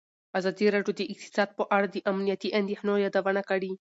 ازادي راډیو د اقتصاد په اړه د امنیتي اندېښنو یادونه کړې.